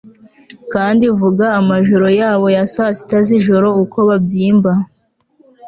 kandi vuga amajoro yabo ya saa sita z'ijoro uko babyimba